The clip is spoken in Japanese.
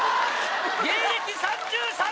芸歴３３年！